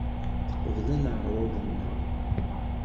Teqbel aneɛruḍ-nneɣ.